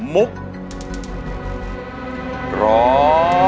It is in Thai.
มุกร้อง